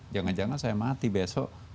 jangan jangan saya mati besok